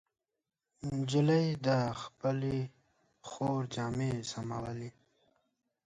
نجلۍ د خپلې خور جامې سمولې.